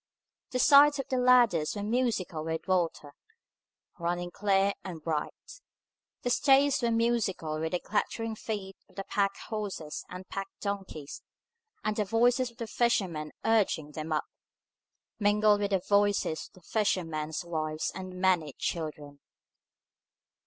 The sides of the ladders were musical with water, running clear and bright. The staves were musical with the clattering feet of the pack horses and pack donkeys, and the voices of the fishermen urging them up, mingled with the voices of the fishermen's wives and their many children.